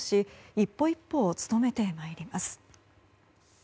一歩一歩、勤めてまいります。